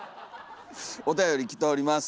おたより来ております。